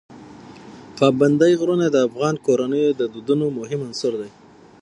پابندی غرونه د افغان کورنیو د دودونو مهم عنصر دی.